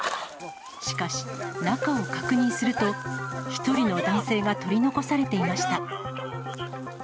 しかし、中を確認すると、１人の男性が取り残されていました。